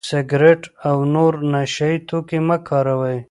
سګرټ او نور نشه يي توکي مه کاروئ.